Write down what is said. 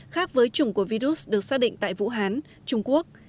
khác với chủng của virus được xác định tại vũ hán trung quốc